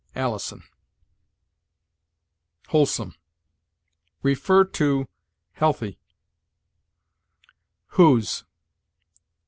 Alison. WHOLESOME. See HEALTHY. WHOSE.